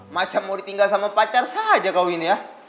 macem mau ditinggal sama pacar saja kau ini ya